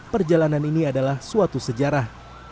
perjalanan ini adalah suatu sejarah